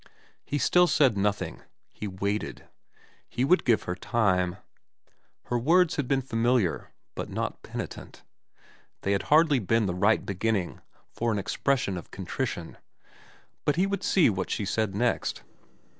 He still said nothing. He waited. He would give her time. Her words had been familiar, but not penitent. They had hardly been the right beginning for an expres sion of contrition ; but he would see what she said next.